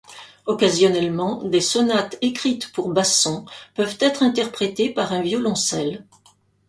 Occasionnellement, des sonates écrites pour basson peuvent être interprétées par un violoncelle.